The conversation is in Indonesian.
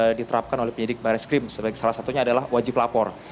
yang diterapkan oleh penyidik baris krim salah satunya adalah wajib lapor